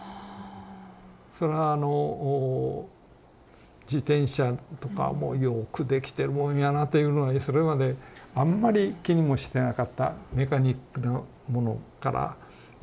そらあの自転車とかもよくできてるもんやなっていうのにそれまであんまり気にもしてなかったメカニックのものから身の回りのもの